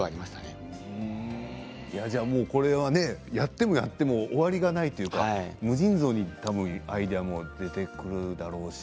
これはやってもやっても終わりがないというかアイデアも出てくるでしょうしね。